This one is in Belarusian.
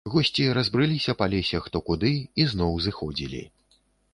Госці разбрыліся па лесе хто куды і зноў зыходзілі.